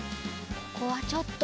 ここはちょっと。